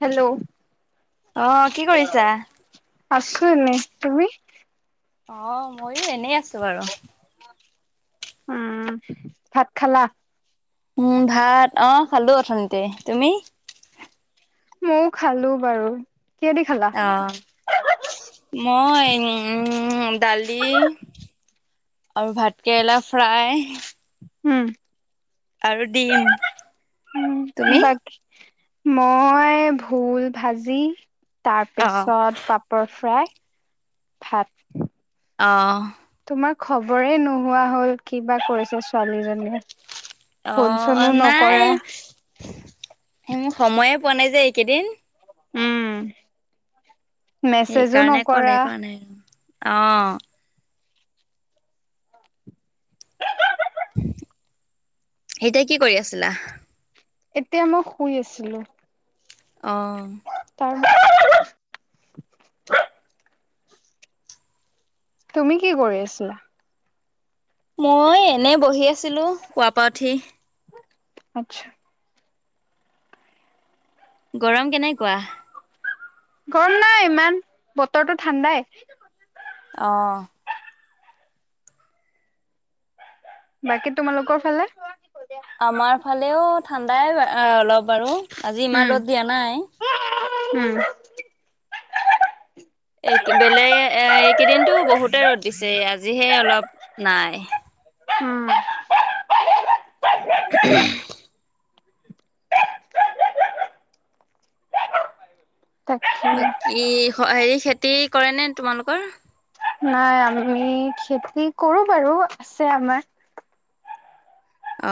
Hello অ' কি কৰিছা? আছো এনে তুমি। অ' মইয়ো এনেই আছো বাৰু। উম ভাত খালা। উম ভাত অ' খালো অথনিতে তুমি। ময়ও খালো বাৰু কিহেদি খালা। অ', মই উম উ দালি। আৰু ভাতকেৰেলা ফ্ৰাই। উম আৰু ডিম। উ তুমি? বাকি। মই ভোল ভাজি অ', তাৰপিছত। পাপৰ ফ্ৰাই ভাত। অ। তোমাৰ খবৰে নোহোৱা হল কিবা কৰিছ ছোৱালীজনীয়ে। ফোন চোনো অ', নাই নকৰা। মো সময়ে পোৱা নাই যে এইকেইদিন। উম মেছেজো সেইকাৰণে নকৰা। [inaudible] অ এতিয়া কি কৰি আছিলা এতিয়া মই শুই আছিলো। অ তাৰ তুমি কি কৰি আছিলা মই এনে বহি আছিলো শুৱা পা উঠি আচ্চা গৰম কেনেকুৱা গৰম নাই ইমান বতৰটো ঠাণ্ডাই অ। বাকী তোমালোকৰ ফালে আমাৰ ফালেও ঠাণ্ডাই অলপ আৰু আজি ইমান ৰ'দ দিয়া নাই। উম এই বেলেগ এইকেইদিনো বহুতে ৰ'দ দিছে আজিহে অলপ নাই উম [unintelligible] তাকে ই‌ হেৰি খেতি কৰে নে তোমালোকৰ নাই আমি খেতি কৰো বাৰু আছে আমাৰ অ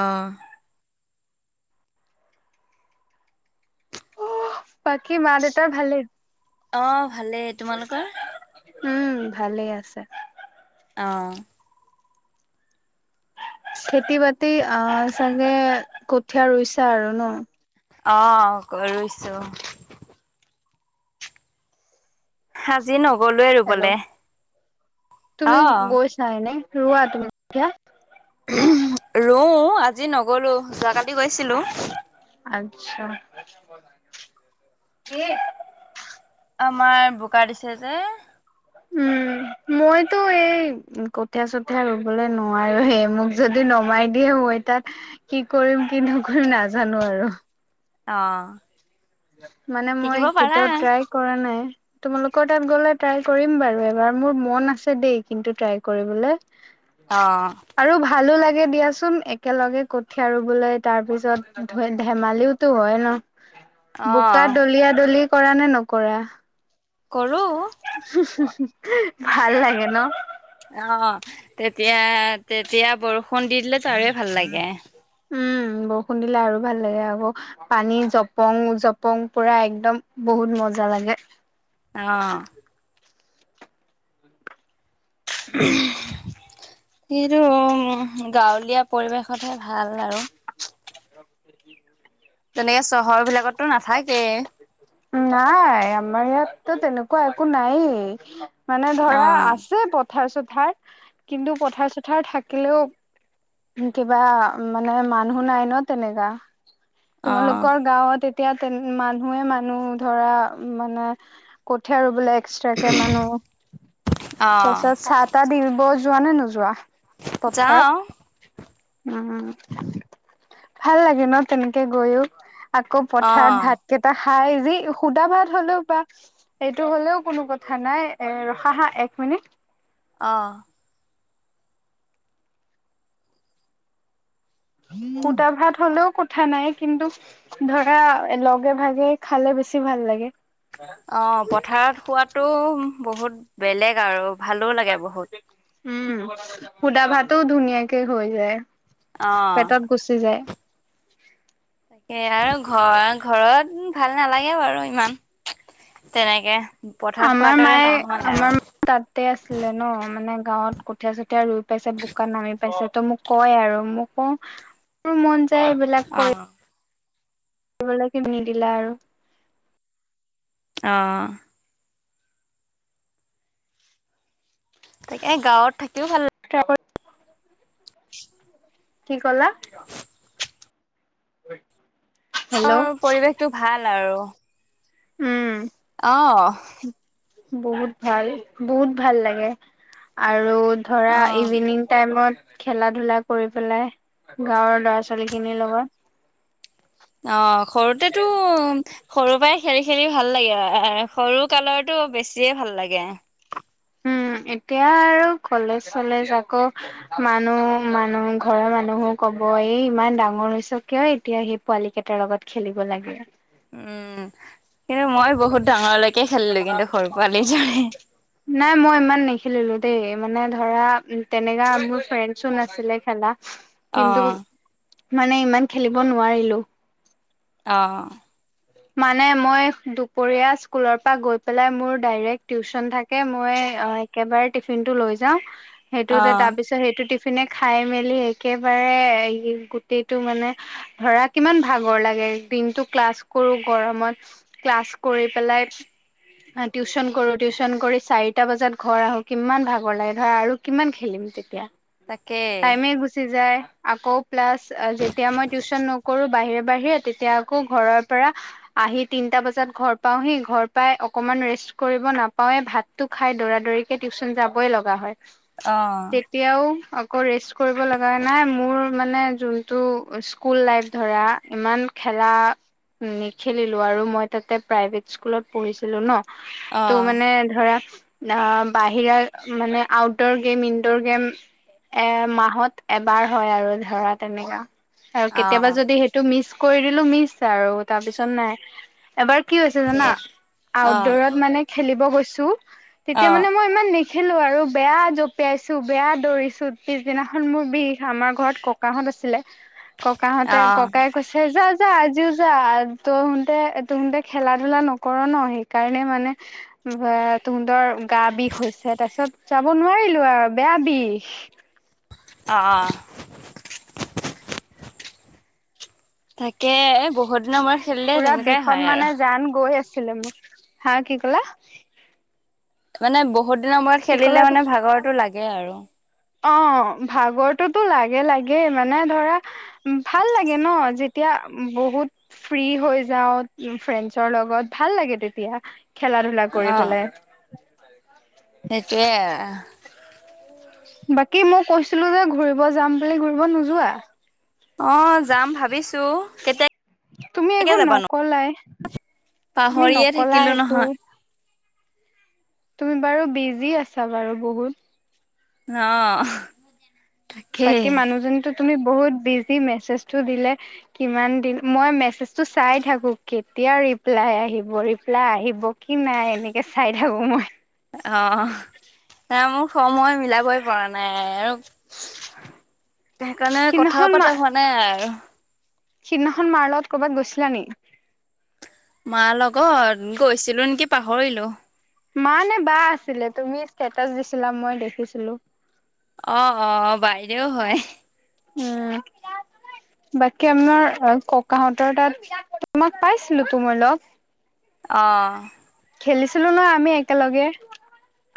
বাকী মা দেউতাৰ ভালেই অ ভালেই তোমালোকৰ উম ভালে আছে অ খেতি বাতি তই অ চাগে কঠীয়া ৰুইছা আৰু ন অ কৰিছো‌ ৰুইছো আজি নগলোৱে হেল্ল' ৰুবলে তুমি অ' গ‌ইচা এনে ৰুৱা তুমি কঠিয়া ৰু আজি নগলো যোৱাকালি গৈছিলো আতছা এই আমাৰ বোকা দিছে যে উম মইতো এই কঠীয়া চঠীয়া ৰুবলৈ নোৱাৰো হে, মোক যদি নমাই দিয়ে মই তাত কি কৰিম কি নকৰিম নাজানো আৰু। অ। মানে মই শিকিব পাৰা। কেতিয়াও ট্ৰাই কৰা নাই তোমালোকৰ তাত গ'লে ট্ৰাই কৰিম বাৰু এবাৰ মোৰ মন আছে দেই কিন্তু ট্ৰাই কৰিবলৈ [unintelligible] অ আৰু ভালো লাগে দিয়াচোন একেলগে কঠীয়া ৰোবলে তাৰ পিছত ধেমালিও টো হয় ন বোকা অ' দলিয়া দলি কৰানে নকৰা কৰোঁ ভাল লাগে ন অ, তেতিয়া-তেতিয়া, বৰষুণ দি দিলেতো আৰুৱে ভাল লাগে। উম, বৰষুণ দিলে আৰু ভাল লাগে। আকৌ পানী জপং-জপং, পুৰা একদম বহুত মজা লাগে। অ, এইটো, গাঁৱলীয়া পৰিৱেশতহে ভাল আৰু। [inaudible] তেনেকে চহৰ ভিলাক [inaudible] নাই, আমাৰ ইয়াতো তেনেকুৱা একো নায়েই। মানে ধৰা, অ', আছে পথাৰ-চথাৰ। কিন্তু, পথাৰ-চথাৰ থাকিলেও কিবা, মানে মানুহ নাই ন, তেনেকা অ', তোমালোকৰ গাঁৱত এতিয়া তে, মানুহে, মানুহ ধৰা, মানে কঠিয়া ৰোব'লে এক্সট্ৰাকে মানুহ। অ', তাৰপিছত চাহ-তাহ দিব যোৱানে নোযোৱা? যাওঁ পথাৰত। উম, ভাল লাগে ন, তেনেকে গৈয়ো। আকৌ পথাৰত অ', ভাত কেইটা খাই, যি সুদা ভাত হ'লেও বা এইটো হ'লেও কোনো কথা নাই। এ, ৰখা হা এক মিনিট। অ, সুদা ভাত হ'লেও কথা নাই, কিন্তু ধৰা, লগে ভাগে খালে, বেছি ভাল লাগে। অ, পথাৰত খোৱাতো, বহুত বেলেগ আৰু ভালো লাগে বহুত। উম, সুদা ভাতোও ধুনীয়াকে হৈ যায়। অ'। পেটত গুচি, যায়। তাকে আৰু ঘৰ- ঘৰত ভাল নালাগে বাৰু ইমান তেনেকে। পথাৰত আমাৰ খোৱাৰ দৰে, মায়ে নহয় আমাৰ আৰু। তাতে আছিলে ন, মানে গাঁৱত কঠিয়া- চঠীয়া ৰুই পাইছে, বোকাত নামি পিছত মোক কয় আৰু, মই কও, মন যায় এইবিলাক কৰিব অ', [inaudible] অ, এ, গাঁৱত থাকিও ভাল [unintelligible] কি কলা? [inaudible] হেল্ল' ৰ, পৰিৱেশটো ভাল আৰু। উম, অ, বহুত ভাল, বহুত ভাল লাগে, আৰু ধৰা, অ', ইভিনিং টাইমত খেলা ধূলা কৰি পেলাই, গাঁৱৰ ল'ৰা-ছোৱালী খিনিৰ লগত। অ, সৰুতেটো সৰুৰ পৰাই খেলি-খেলি ভাল লাগে সৰু কালৰটো বেছিয়ে ভাল লাগে। উম, এতিয়া আৰু কলেজ-চলেজ আকৌ মানুহ, মানুহ ঘৰৰ মানুহো ক'ব এই ইমান ডাঙৰ হৈছে কিয় এতিয়া সেই পোৱালি কেইটাৰ লগত খেলিব লাগে। উম, কিন্তু মই বহুত ডাঙৰলৈকে খেলিলো কিন্তু সৰু পোৱালি দৰে। নাই মই ইমান নেখেলিলো দেই মানে ধৰা তেনেকা মোৰ ফ্ৰেণ্ডছো নাছিলে খেলা কিন্তু অ', মানে ইমান খেলিব নোৱাৰিলো অ মানে মই দুপৰীয়া স্কুলৰ পৰা গৈ পেলাই মোৰ ডাইৰেক্ট টিউচন থাকে মই একেবাৰে টিফিনটো লৈ যাও সেইটোতে তাৰ অ'। পিছ ত সেইটো টিফিনে খাই মেলি একেবাৰে গোটেইটো মানে ধৰা কিমান ভাগৰ লাগে দিনটো ক্লাছ কৰো গৰমত ক্লাছ কৰি পেলাই টিউচন কৰো টিউচন কৰি চাৰিটা বজাত ঘৰ আহো কিমান ভাগৰ লাগে ধৰা আৰু কিমান খেলিম তেতিয়া তাকেই। টাইমে গুচি যায় আকৌ প্লাছ যেতিয়া মই টিউচন নকৰো বাহিৰে বাহিৰে তেতিয়া আকৌ ঘৰৰ পৰা আহি তিনটা বজাত ঘৰ পাওহি ঘৰ পাই অকমান ৰেষ্ট কৰিব নাপাৱে ভাত টো খাই দৌৰা দৌৰিকে টিউচন যাবই লগা হয় অ এতিয়াও আকৌ ৰেষ্ট কৰিব লগা নাই মোৰ মানে যোনটো স্কুল লাইফ ধৰা ইমান খেলা উম নেখেলিলো আৰু মই তাতে প্ৰাইভেট স্কুলত পঢ়িছিলো ন তো অ', মানে ধৰা আহ বাহিৰা মানে আউটডৰ গেম ইনডৰ গেম এ মাহত এবাৰ হয় আৰু ধৰা তেনেকা আৰু কেতিয়াবা অ', যদি সেইটো মিচ কৰি দিলো মিছ আৰু তাৰপিছত নাই এবাৰ কি হৈছে জানা অ'। অ', আউটডৰত মানে খেলিব গৈছো তেতিয়া মানে মই ইমান নেখেলো আৰু বেয়া জপিয়াইছো বেয়া দৌৰিছো পিছদিনাখন মোৰ বিষ আমাৰ ঘৰত ক কাহঁত আছিলে ককাহঁতে অ', ককাইয়ে কৈছে যা যা আজিও যা তহনতে তহনতে খেলা ধূলা নকৰ ন সেইকাৰণে মানে বা তুহঁতৰ গা বিষ হৈছে তাৰপিছত যাব নোৱাৰিলো আৰু বেয়া বিষ অ অ তাকে এ বহুত দিনৰ মূৰত খেলিলে পুৰা তেনেকুৱাই হয় বিষত আৰু। মানে জান গৈ আছিলে মোৰ হা কি কলা মানে বহুত দিনৰ মূৰত কি কলা খেলিলে তুমি মানে ভাগৰতো লাগে আৰু অ ভাগৰতোটো লাগে লাগেই মানে ধৰা ভাল লাগে ন যেতিয়া বহুত ফ্ৰী হৈ যাও ফ্ৰেণ্ডছৰ লগত ভাল লাগে তেতিয়া খেলা ধূলা কৰি পেলাই সেইটোৱে বাকী মই কৈছিলো যে ঘূৰিব যাম বুলি ঘূৰিব নোযোৱা অ যাম ভাবিছো কেতিয়া তুমি কেতিয়াকে একো যাবানো? নকলাই তুমি পাহৰিয়ে নকলাই থাকিলো একো নহয় তুমি বাৰু বিজি আছা বাৰু বহুত অ তাকেই বাকী মানুহজনীতো তুমি বহুত বিজি মেছেজটো দিলে কিমান দিন মই মেছেজটো চাই থাকো কেতিয়া ৰিপ্লাই আহিব ৰিপ্লাই আহিব কি নাই এনেকৈ চাই থাকো মই অ নাই মোক সময় মিলাবই পৰা নাই আৰু সেইকাৰণে সিদিনাখন কথাও মা পতা হোৱা নাই আৰু সিদিনাখন মাৰ লগত কৰ'বাত গৈছিলা নি। মাৰ লগত গৈছিলো নেকি পাহৰিলো। মা নে বা আছিলে তুমি ষ্টেটাচ দিছিলা মই দেখিছিলো। অ অ বাইদেও হয়। উম। বাকী আমাৰ ককাহঁতৰ তাত তোমাক পাইছিলো তো মই লগ। অ। খেলিছিলো ন আমি একেলগে।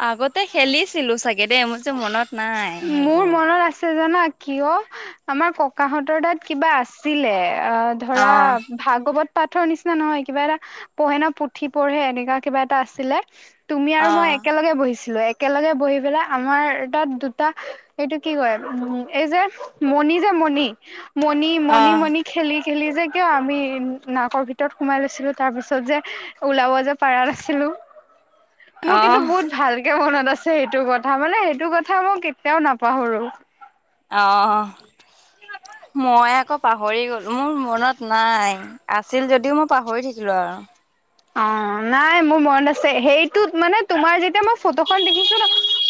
আগতে খেলিছিলো চাগে দেই মোৰ যে মনত। নাই মোৰ সেইবোৰ মনত আছে জানা। কিয় আমাৰ ককাহঁতৰ তাত কিবা আছিলে অ ধৰা। অ', ভাগৱত পাঠৰ নিচিনা নহয় কিবা এটা পোহে ন পুথি পঢ়ে এনেকুৱা কিবা এটা আছিলে। তুমি আৰু মই অ', একেলগে বহিছিলো একেলগে বহি পেলাই আমাৰ তাত দু। টা এইটো কি কয় উ এই যে মণি যে মণি মণি মণি মণি। খেলি খেলি যে কিয় আমি নাকৰ ভিতৰত সোমাই লৈছিলোঁ তাৰপিছত যে ওলাব যে। পাৰা নাছিলো মোৰ কিন্তু অ', বহুত ভাল। কে মনত আছে সেইটো কথা মানে সেইটো কথা মই কেতিয়াও নাপাহৰো। অ মই আকৌ পাহৰি গলো মোৰ মনত নাই। আছিল যদিও মই পাহৰি থাকিলো আৰু। অ নাই মোৰ মন আছে সেইটো মানে তোমাৰ যেতিয়া মই ফটোখন দেখিছো ন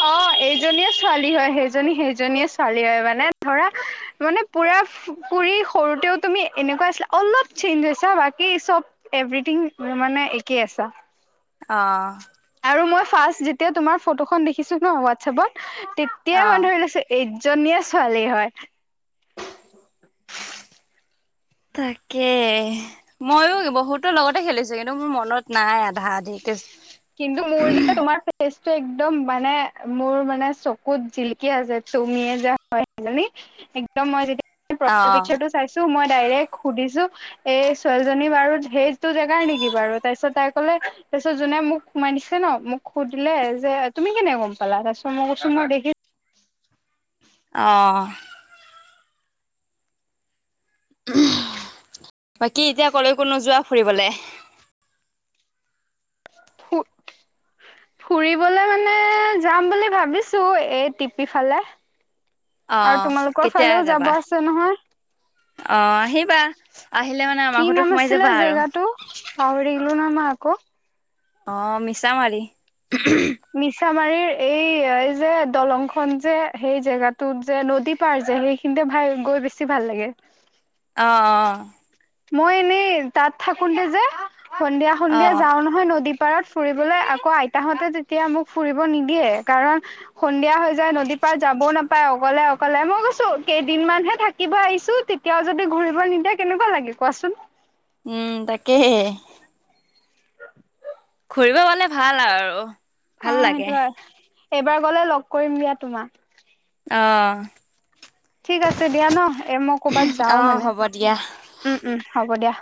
অ এই। সেইজনীয়ে ছোৱালী হয় সেইজনী সেইজনীয়ে ছোৱালী হয় মানে ধৰা। মানে পুৰা পুৰি সৰুতেও তুমি এনেকুৱা আছিলা অলপ চেঞ্জছা বাকী চব। এভ্ৰথিং মানে একেই আছা। অ। আৰু মই ফাৰ্ষট যেতিয়া তোমাৰ ফটোখন দেখিছো ন হোৱাটছএপত তেতিয়াই অ মানে লৈছে। এইজনীয়ে ছোৱালী হয়। [unintelligible] তাকে। ময়ো বহুতো লগতে খেলিছো কিন্তু মোৰ মনত নাই আধা আধি। কিন্তু মোৰ যে তোমাৰ ফেচটো এক্দম মানে মোৰ মানে চকুত জিল। কি আছে তুমিয়ে যে হয় সেইজনী একদম মই যেতিয়া অ পফাইল পিক্সাৰটো। চাইছো মই ডাইৰেক্ট সুধিছো। এই ছোৱালীজনী বাৰু সেইটো জেগাৰ নেকি বাৰু তাৰপিছত তাই ক'লে তাৰপিছত যোনে মোক। সোমাই দিছে ন মোক সুধিলে যে তুমি কেনে গম পালা তাৰপিছত মই কইচো মই দেখি। অ। বাকী এতিয়া ক'লৈকো নোযোৱা ফুৰিবলে। হোত। ফুৰিবলৈ মানে যাম বুলি ভাবিছোঁ এই টিপি ফালে। অ আৰু তোমালোকৰ কেতিয়া ফালেও যাবা যাব আছে নহয়। অ আহিবা আহিলে মানে আমাৰ ঘৰতো সোমাই যাবা আৰু। [unintelligible] নহ আকো অ মিছা মাৰি। মিছামাৰীৰ এই এই যে দলং খন যে সেই জেগাটোত যে নদী পাৰ যে সেই। খিন্তে ভাল গৈ বেছি ভাল লাগে। অ অ। মই এনেই তাত থাকোতে যে সন্ধিয়া অ সন্ধিয়া যাওঁ ন, নদী পাৰত ফুৰিবলৈ আকৌ আইতাহঁতে তেতিয়া মোক ফুৰিব নিদিয়ে কাৰণ, সন্ধিয়া হৈ যায় নদীৰ পাৰ যাবও নাপায় অকলে অকলে মই গৈছো কেইদিন মানহে থাকিব আহিছোঁ। তেওঁ যদি ঘূৰিব নিদিয়ে কেনেকুৱা লাগে কোৱাচোন। উম তাকে। ফুৰিব পালে ভাল আৰু অ ভাল লাগে সেইটো হয় এইবাৰ গ'লে লগ কৰিম দিয়া তোমাক। অ ঠিক আছে দিয়া ন এ মই কৰ'বাত অ যাওঁ মানে হ'ব দিয়া উম উম হ'ব দিয়া।